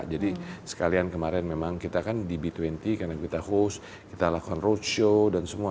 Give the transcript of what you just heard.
jadi sekalian kemarin memang kita kan di b dua puluh karena kita host kita lakukan roadshow dan semua